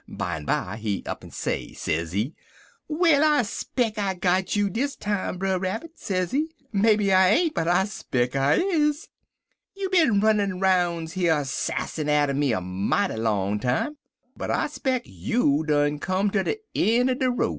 Bimeby he up'n say, sezee: "'Well, I speck I got you dis time, Brer Rabbit, sezee; 'maybe I ain't, but I speck I is. You been runnin' roun' here sassin' atter me a mighty long time, but I speck you done come ter de een' er de row.